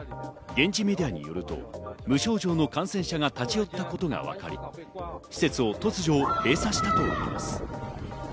現地メディアによると無症状の感染者が立ち寄ったことがわかり、施設を突如閉鎖したといいます。